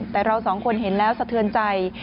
แต่เราสองคนเห็นแล้วสะเทือนใจ